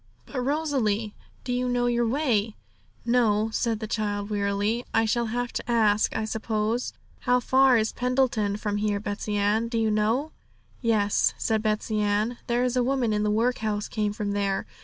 'But, Rosalie, do you know your way?' 'No,' said the child wearily; 'I shall have to ask, I suppose. How far is Pendleton from here, Betsey Ann? Do you know?' 'Yes,' said Betsey Ann; 'there was a woman in the workhouse came from there.